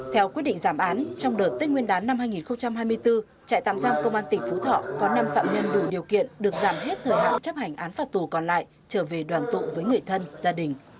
theo quyết định giảm án trong đợt tết nguyên đán năm hai nghìn hai mươi bốn trại tạm giam công an tỉnh phú thọ có năm phạm nhân đủ điều kiện được giảm hết thời hạn chấp hành án phạt tù còn lại trở về đoàn tụ với người thân gia đình